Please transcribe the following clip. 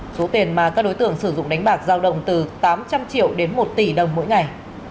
số tiền mà các đối tượng sử dụng đánh bạc giao đồng từ tám trăm linh triệu đến một tỷ đồng mỗi ngày